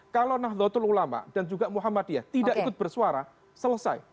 kalau nahdlatul ulama dan juga muhammadiyah tidak ikut bersuara selesai